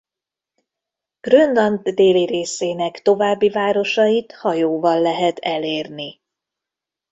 Grönland déli részének további városait hajóval lehet elérni.